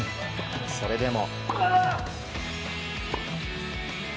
それでも。